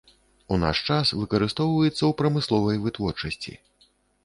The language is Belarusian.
У наш час выкарыстоўваецца ў прамысловай вытворчасці.